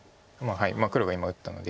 はい黒が今打ったので。